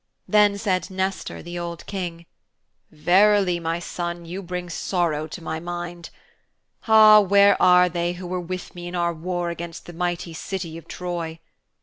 Then said Nestor, the old King, 'Verily, my son, you bring sorrow to my mind. Ah, where are they who were with me in our war against the mighty City of Troy?